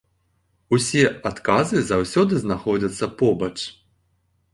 Усе адказы заўсёды знаходзяцца побач.